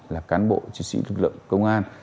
là cán bộ chiến sĩ lực lượng công an